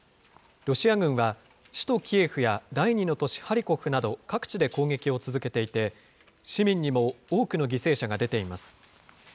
ロシア軍は、首都キエフや第２の都市ハリコフなど、各地で攻撃を続けていて、市民にも多くの犠牲者が出ています。